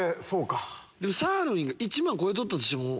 サーロインが１万超えとったとしても。